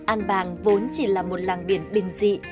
an bàng vốn chỉ là một làng biển bình dị